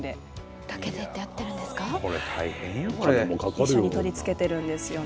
一緒に取り付けてるんですよね。